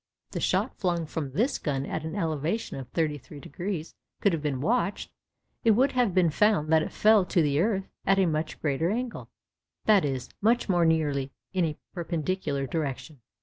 If the shot flung from this gun at an elevation of thirty three degrees could have been watched, it would have been found that it fell to the earth at a much greater angle—that is, much more nearly in a perpendicular direction.